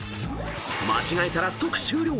［間違えたら即終了］